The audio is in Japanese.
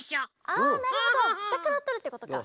あなるほどしたからとるってことか。